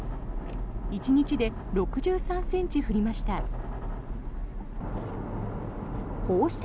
１日で６３ｃｍ降りました。